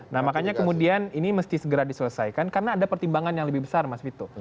nah makanya kemudian ini mesti segera diselesaikan karena ada pertimbangan yang lebih besar mas vito